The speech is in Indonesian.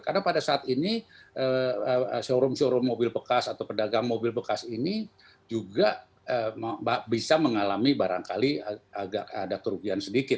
karena pada saat ini showroom showroom mobil bekas atau pedagang mobil bekas ini juga bisa mengalami barangkali ada kerugian sedikit